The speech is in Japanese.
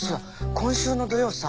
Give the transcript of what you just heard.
今週の土曜さ。